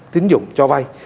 tính dụng cho vay